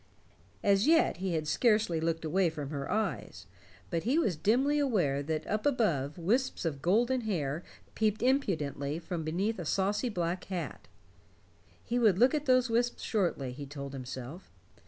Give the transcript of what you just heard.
As yet he had scarcely looked away from her eyes, but he was dimly aware that up above wisps of golden hair peeped impudently from beneath a saucy black hat. He would look at those wisps shortly, he told himself.